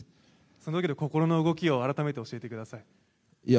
その時の心の動きを改めて、教えてください。